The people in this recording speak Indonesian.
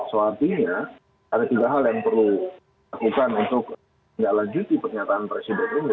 dan seartinya ada tiga hal yang perlu dilakukan untuk menyalakjuti pernyataan presiden ini